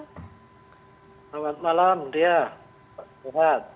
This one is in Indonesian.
selamat malam dia sehat